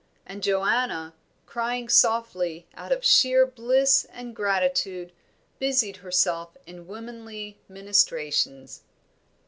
And Joanna, crying softly, out of sheer bliss and gratitude, busied herself in womanly ministrations.